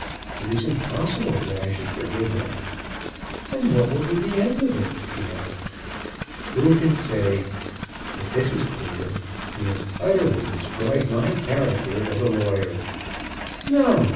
It is impossible that I should forgive him." "And what will be the end of it?" she asked. "Who can say? But this is clear. He has utterly destroyed my character as a lawyer." "No.